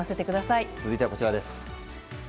続いてはこちらです。